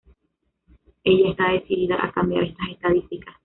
Ella está decidida a cambiar estas estadísticas.